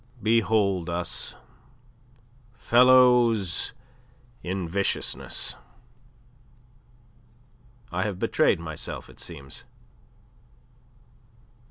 "Behold us, fellows in viciousness. I have betrayed myself, it seems.